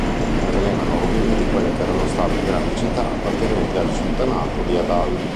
Contenevano rovine di quelle che erano state grandi città appartenenti al sultanato di Adal.